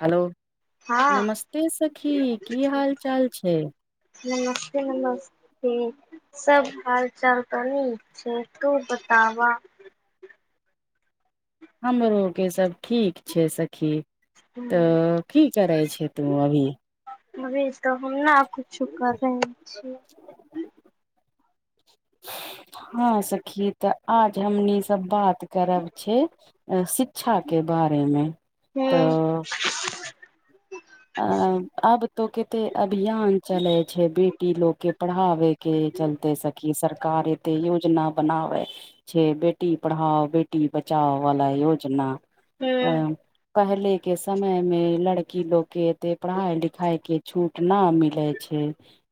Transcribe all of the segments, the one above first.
Hello हँ नमस्ते सखी। की हाल चाल छै? नमस्ते नमस्ते। सभ हालचाल निक छै। तू बताब? हमरो के सभ ठीक छै। सखी तऽ की करै छै। तू अभी? अभी तऽ हम ने कुछो कर रहे छीय। [inaudible] हँ सखी त आज हमनी सभ बात करब छै, शिक्षाक के बारेमे हूँ तऽ अ आब त केत अभियान चल छै। बे कऽ लोकके पढ़ाबैके चलते सखी सरकार एते योजना बनाबै। छै बेटी पढ़ाओ बेटी बचाओ वाला योजना। हूँ अ पहिले के समय मे लड़की लोग के एते पढ़ाइ लिखाई के छूट न मिलै छै।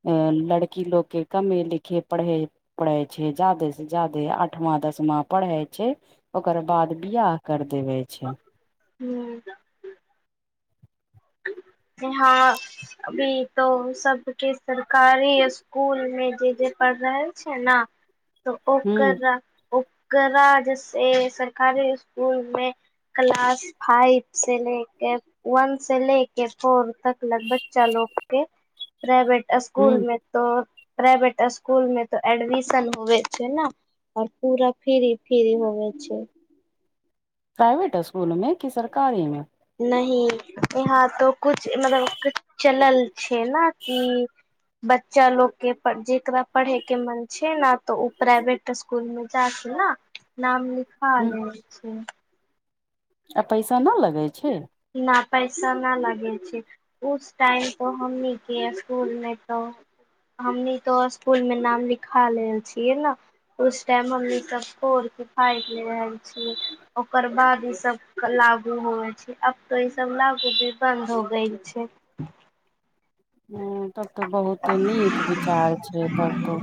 लड़की लोग के कमे लिखे पढ़े पढ़ै छै। जादे से जादे आठमा दसमा पढ़ै छै। ओकर बाद विहाह कर देवे छै। हूँ हँ अभी तो सभके सरकारी स्कुल में जे जे पढ़ रहल छै ने [inaudible] त ओकर ओकरा जै सरकारी स्कुलमे। क्लास फाइव से लेके वन से लेके। के फोर तक बच्चासभकेँ प्राइवेट हू स्कूलमे पढ़ाओल जाइत छै? तऽ प्राइवेट स्कूलमे तऽ एडमिशन होइत छै ने? आओर पूरा फ्री फ्री होवे छै। प्राइवेट स्कूलमे कि सरकारीमे? न यहाँ तो कुछ मतलब कछ चल छै ना की बच्चासभकेँ जकरा पढ़यके मन छै ने, तऽ ओ प्राइवेट स्कूलमे जाइत छै ने? नाम लिखा हू लेने छै आ पैसा नहि लगैत छै? न पैसा न लगे छै। उस टाइम त हम नहि कि स्कूल मे त हमनी तो स्कूल मे नाम लिखा लेल छियै ने उस टाइम मम्मी कऽ घोर खाय ल है ओकर बाद ई सभ लागू होए छै। तऽ ई सभ लागू भी बन्द हो गय छै। ह तब तऽ बहुते नीक विचार छै। तब तऽ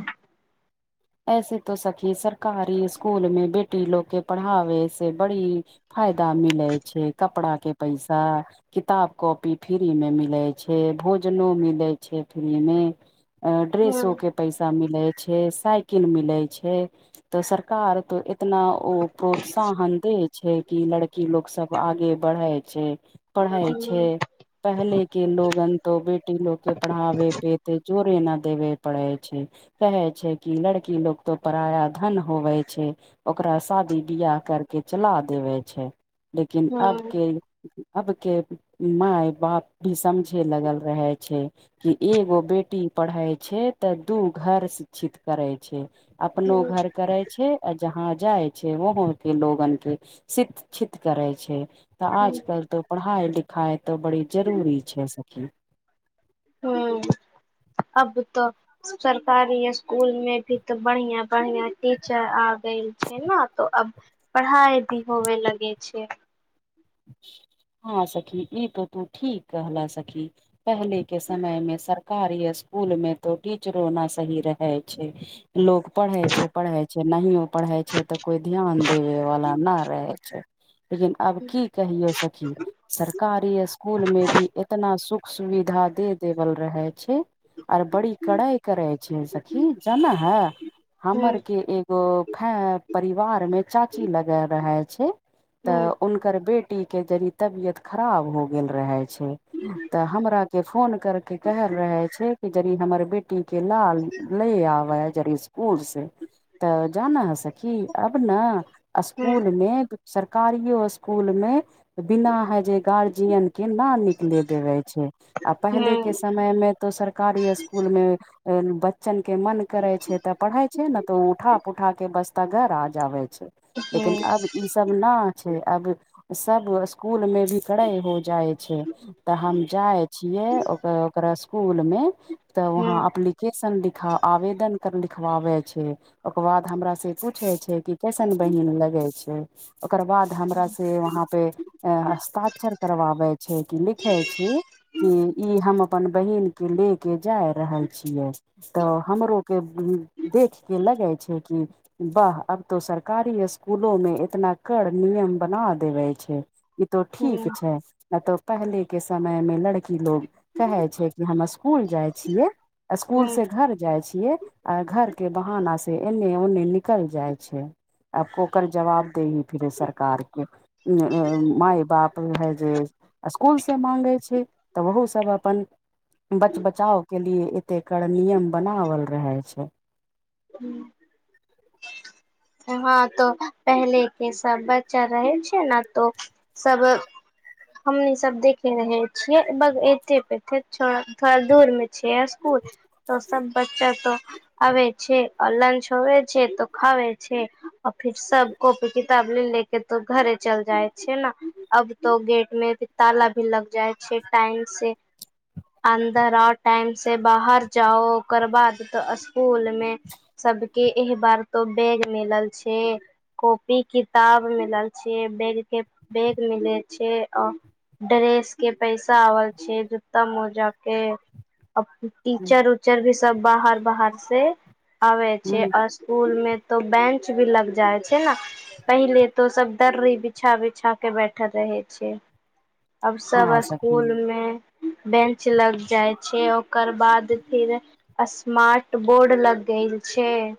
ऐसे तो सखी सरकारी स्कूलमें, बेटी लो के पढ़ावे से बड़ी। फायदा मिलैत छै। कपड़ा के पैसा किताब कॉपी फ्री मे मिलै छै। भोजनो मिलै छै। फ्रीमे अ ड्रेसो हम्म के पैसा मिले छै साइक कील मिलै छै तऽ सरकार तो एक इतना ओ प्रोत्साहन दै छै कि लड़की लोक सब आगे बढ़े छै पढ़ै छै हम्म पहले के लोगन तऽ बेटी लोग के पढ़ाबे पे एते जोरे न देबे पड़ै छै कहै छै कि लड़की लोग तो पराया धन होवै छै ओकरा शादी बियाह करके चला देबे छै लेकिन आबके अबके माय बाप भी समझे लगल रहै छै कि एगो बेटी पढ़ै छै तऽ दू घर शिक्षित करै छै छै अपनो हम्म घर करै छै आ जहाँ जाइ छै वहौ के लोगन के शिक्षित करै छै तऽ आजकल तऽ पढ़ाइ लिखाइ तऽ बड़ी जरूरी छै सखी हूम्म आब तऽ सरकारी स्कुल मे भी तो बढ़ियाँ बढ़ियाँ टीचर आब गेल छै ने तो अब पढ़ाइ भी होवे लगे छै हँ सखी ई तऽ तू ठीक कहलऽ सखी पहिले के समय मे सरकारी स्कुल मे तो टीचरो न सही रहै छै लोक पढ़े छै पढ़ै छै नहियो पढ़ै छै तऽ कोई ध्यान देवे वाला नहि रहै छै लेकिन आब की कहियौ सखी सरकारी स्कुलमे भी एतना सुख सुविधा दे देवल रहै छै आर बड़ी कड़ाई करै छै सखी जानऽ है हमर के एक ओ फैं परिवार मे चाची लगे रहे छै तऽ हुनकर बे टी के जड़ि तबियत खराब हो गेल रहे छै तऽ हमरा के फोन करके कहल रहे छै कि यदि हमर बेटी टी के लाल लए आबय जरी स्कुल से तऽ जाना है सखी अब न स्कूल मे सरकारियो स्कुल मे बिना है जे गार्जियन के न निकले देवै छै आ पहले के समय मय मे तो सरकारी स्कुल मे बच्चन के मन करे छै तऽ पढ़े छै ने तऽ ओ उठा पुठा के बस्ता घर आ जाबे छै लेकिन अब ई सब न छै अब सब स्कूल मे भी करे हो जाय छै तऽ हम जाइ छियै ओकरा ओकरा स्कूल मे तऽ वहाँ अप्लि केसन लिखा आवेदन कर लिखबाबै छै ओकर बाद हमरा से पूछै छै कि कैसन बहिन लगै छै ओकर बाद हमरा से वहाँ पे अ हस्ताक्षर करवाबै छै कि लिखै छी कि ई हम अपन बहिनके ले के जाय रहल छियै तऽ हमरो के देख के लगे छै कि वाह अब तो सरकारी स्कूलोमे इतना कड़ नियम बना देबै छै ई तो ठीक छै नहि तऽ पहले के समय मे लड़की की लोग कहे छै कि हम स्कूल जाइ छियै स्कूल से घर जाइ छियै आ घर के बहाना से एने ओने निकल जाय छै आब ओकर जवाब दैही फिरे सरकारके [unintelligible] माय बाप हैजे स्कुलसँ मांगै छै तऽ ओहोसभ अपन बच बचाव के लिए एते कड़ नियम बनावल रहै छै हूंम्म हँ तऽ पहिल के सब बच्चा रह छै ने तो सब हमनी सब देखे रहै छियै एते पेे छै थोड़ा दूर मे छियै स्कुल त सब बच्चा त आवे छैय आ लंज होवे छैय त खावे छैय। आ फिर सब कॉपी किताब ले लेके तो घरे चल जाइ छैय ने अब तो गेट मे भी ताला भी लग जाइ छैय टाइम से अन्दर आओ टाइम से बाहर जाओ ओकर बाद त स्कूल में सबके एहि बार तो बैग मिलल छैय। कॉपी किताब मिलल छैय बैग के बैग मिलल छैय। ड्रेस के पैसा आबल छैय जूता मोजा के टीचर उचर भी सब बाहर बाहर से आबै छैय हूँ आ स्कुल में तो बेंच भी लग जाइ छैय ने पहिले तो सब दर्री बिछा बिछा के बैठल रहे छैय। अब सब हँ सखी स्कुलमे बेंच लग जाइ छैय ओकर बाद फिर स्मार्ट बोर्ड लग देल छैय।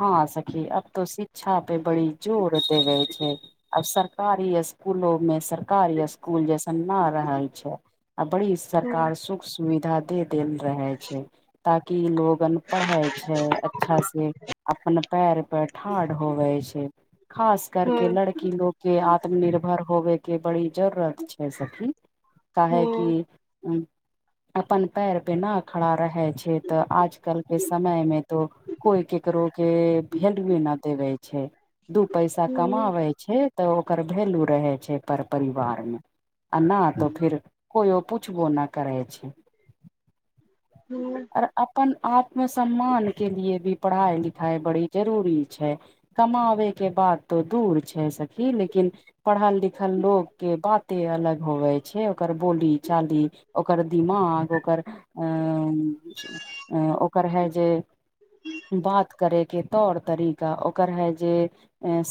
हँ सखी आब त शिक्षा पे बड़ी जोर देवै छैय। आब सरकारी स्कुलो मे सरकारी स्कुल जैसन न रहल छैय। आ बड़ी हूं सरकार सुख सुविधा दे देल रह छैय ताकि लोग पन पढ़य छैय अच्छा से अपन पैर पे ठाढ़ होवे छैय। खास करके हूं लड़की लोग के आत्म निर्भर होबे के बड़ी जरूरत छैय सखी काहे हूं कि उ अपन पैर पे न खड़ा रहै छैय तऽ आजकल के समय मे तो कोइ के केकरो के भेलुए न देवे छैय दू पैसा हूं कमाबय छैय तऽ ओकर वैल्यू रहै छैय पर परिवारमे आ नहि तऽ फेर केओ पूछबो न करै छैय। हू आऔर अपन आत्म सम्मान के लिए भी पढ़ाई लिखाई बड़ी जरूरी छैय। कमाबैके बात तो दूर छैय सखी लेकिन पढ़ल लिखल लोग के बाते अलग होवे छैय ओकर बोली चाली ओकर दिमाग ओकर अ ओकर है जे बात करेके तौर तरीका ओकर है जे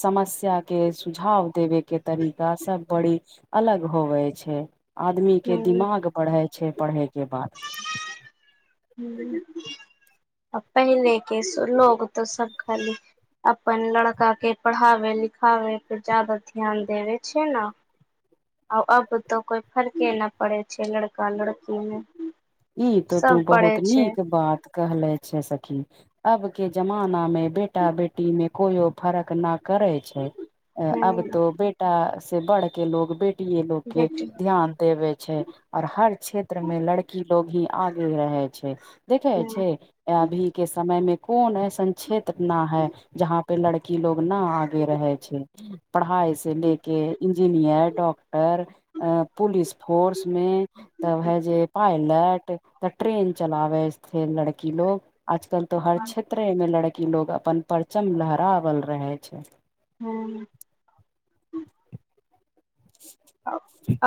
समस्या के सुझाव देबे के तरीका सब बड़ी अलग होवे छैय आदमी के हूं दिमाग बढ़ै छैय पढ़े के बाद। [unintelligible] पहिले के स लोग तऽ सब खाली अपन लड़का के पढ़ावे लिखावे पर जादा ध्यान देवे छैय ने। आ अब तऽ कोइ फरके न पड़े छैय लड़का लड़कीमे। ई तो तू बहुत नीक बात कहले छे सखी अब के जमाना में बेटा बेटी मे कोइो फरक न करै छैय आब हूं तो बेटा से बढ़ के लोग बे टीये लोग के बेटी ध्यान देवे छैय और हर क्षेत्र में लड़ की लोग ही आगे रहे छैय देखे हूं छैय अभी के समय मे कोन ऐसन क्षेत्र न है जहाँ पे लड़की लोग न आगे रहे छैय। पढ़ाई से लेके इंजीनियर डॉक्टर अ पुलिस फोर्स मे तब है जे पायलट तऽ ट्रेन चलावै [unintelligible] लड़की लोग अजकल तो हर क्षे त्रे में लड़की लोग अपन परचम लहरावल रहे छैय। हँ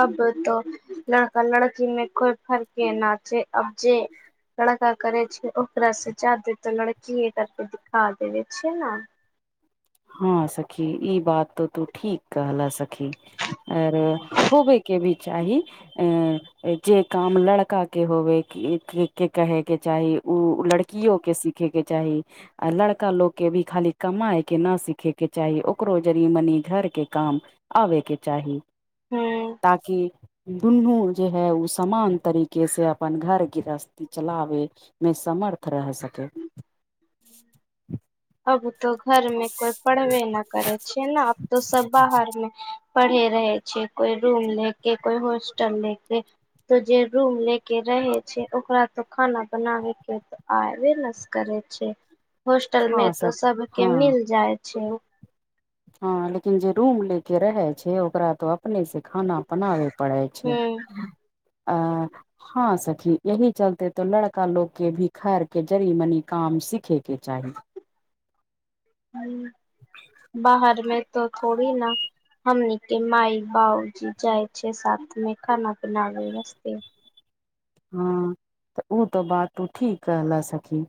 अब त लड़का लड़की में कोइ फरके ना छैय अबजे लड़का करे छैय ओकरा से जादे त लड़कीए करके दिखा देबे छैय ने। हँ सखी ई बात तऽ तू ठीक कहल सखी आर होबेके भी चाही अ जे काम लड़का के होबे के कहे के चाही ओ लड़की कीयो के सीखे के चाही आ लड़का लोग के भी खाली कमाय के न सीखे के चाही ओकरो जरी मनी घर के काम आबे के चाही हूँ ताकि दुन्नू जे हय ओ समान तरीके से अपन घर गृहस्थी चलाबे मे समर्थ रह सकै अब तो घरमे कोइ पढ़बे न करै छै ने अब तो सब बाहरमे पढ़े रहे छै कोइ रूम ले के कोइ होस्टल ले के तो जे रूम ले के रहे छै ओकरा तो खाना बनाबे के आबे नस करे छै होस्टल में हँ तो सखी सब के हँ मिल जाय छै हँ लेकिन जे रूम ले के रहे छै ओकरा तो अपने से खाना बनाबे पड़ै छै हूँ आ हँ सखी यही चलते तो लड़का लोग के भी घर के जड़ी मनी काम सीखे के चाही ह बाहरमे तऽ थोड़ी न हमनीके माय बाउजी जाइ छै साथ मे खाना बनाबे वास्ते हँ तऽ ओ तऽ बात तू ठीक कह ल सखी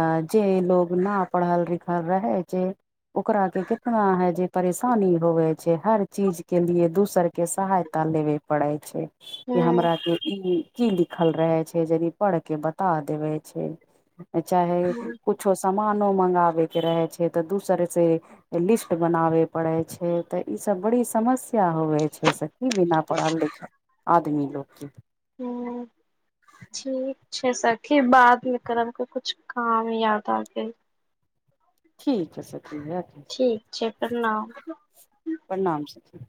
अ जे लोग न पढ़ल लिखल रहै जे ओकरा के कितना हय जे परेशानी होवे छै हर चीज के लिए दोसर के सहाय यता लेबे पड़े छै कि हूँ हमरा के ई की लिखल रहे छै यदि पढ़ के बता देवे छै चाहे छो सामानो मंगाबे के रहे छै तऽ दोसर से लिस्ट बनाबे पड़े छै तऽ ई सब बड़ी समस्या होवए छै से कि बिना पढ़ल लिखल आदमी लोगके हू ठीक छै सखि बाद में करब को किछु काम याद आ गेल ठीक ह सखी रखी ठीक छै प्रणाम प्रणाम सखी